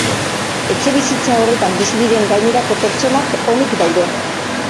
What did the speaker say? Etxebizitza horretan bizi diren gainerako pertsonak onik daude.